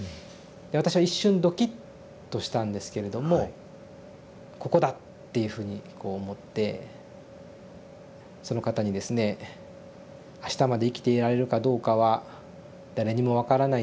で私は一瞬ドキッとしたんですけれども「ここだ」っていうふうにこう思ってその方にですね「あしたまで生きていられるかどうかは誰にも分からないんですよ